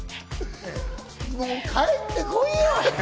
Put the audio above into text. もう帰ってこいよ。